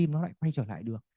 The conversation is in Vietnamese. nó quay trở lại được